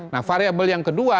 nah variable yang kedua